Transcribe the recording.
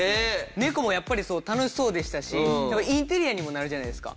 猫もやっぱり楽しそうでしたしインテリアにもなるじゃないですか。